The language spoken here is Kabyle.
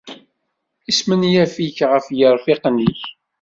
Ismenyaf-ik ɣef yirfiqen-ik.